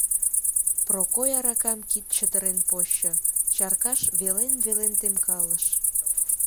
Прокой аракам кид чытырен почо, чаркаш велен-велен темкалыш.